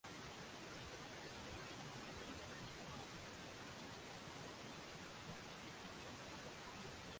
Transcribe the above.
mto ruaha uliwahi kukauka mwaka elfu mbili na sita